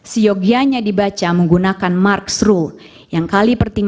siogianya dibaca menggunakan marx rule